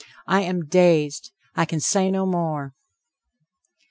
I am dazed! I can say no more!